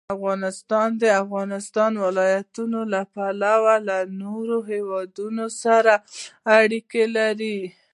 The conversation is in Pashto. افغانستان د د افغانستان ولايتونه له پلوه له نورو هېوادونو سره اړیکې لري.